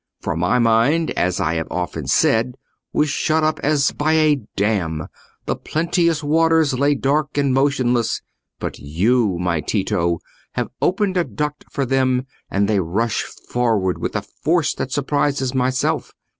For my mind, as I have often said, was shut up as by a dam; the plenteous waters lay dark and motionless; but you, my Tito, have opened a duct for them, and they rush forward with a force that surprises myself.